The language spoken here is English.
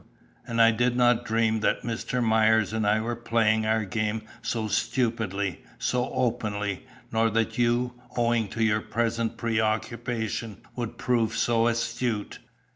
And I did not dream that Mr. Myers and I were playing our game so stupidly, so openly; nor that you, owing to your present preoccupation, would prove so astute."